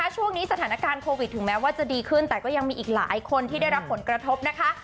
ช่วงนี้สถานการณ์โควิดถึงแม้ว่าจะดีขึ้นแต่ก็ยังมีอีกหลายคนที่ได้รับผลกระทบนะคะ